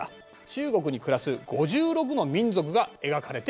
中国に暮らす５６の民族が描かれている。